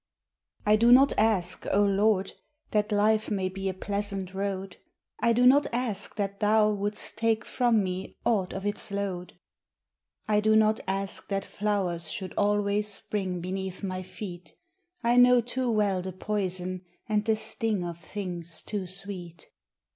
I do not ask, O Lord, that life may be A pleasant road; I do not ask that Thou wouldst take from me Aught of its load ; HUMAN EXPEDIENCE. 335 I do not ask that flowers should always spring Beneath my feet; I know too well the poison and the sting Of things too sweet.